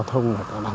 các trung tâm sát hạch